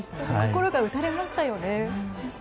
心が打たれましたよね。